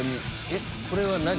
えっこれは何？